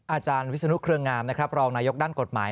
อาจารย์วิศนุษย์เครืองงามรองนายกดุลอยนกฎหมาย